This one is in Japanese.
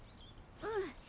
うん。